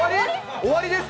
終わりですか？